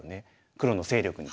黒の勢力に。